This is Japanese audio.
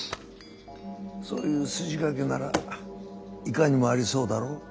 そういう筋書きならいかにもありそうだろ？